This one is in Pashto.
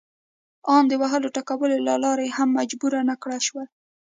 ان د وهلو ټکولو له لارې هم مجبور نه کړای شول.